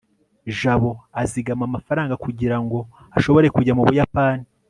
jabo azigama amafaranga kugirango ashobore kujya mu buyapani